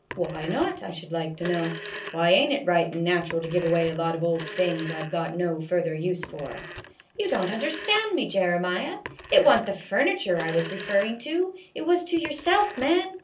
" Why, not, I should like to know ? Why ain't it right and natural to give away a lot of old things I 've got no further use for ?"" You don't understand me, Jeremiah. It wa' n't the furniture I was referrin' to ; it was to yourself, man.